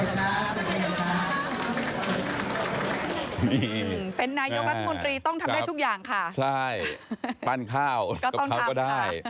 ได้ปั้นข้าวก็ครับก็ได้